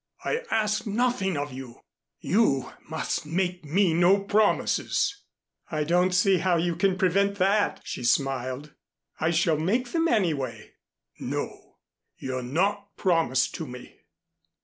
I ask nothing of you. You must make me no promises." "I don't see how you can prevent that," she smiled. "I shall make them anyway." "No, you're not promised to me."